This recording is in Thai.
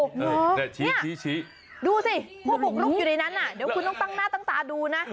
นี่ชี้ดูสิผู้บุกลุกอยู่ในนั้นเดี๋ยวคุณต้องตั้งหน้าตั้งตาดูนะ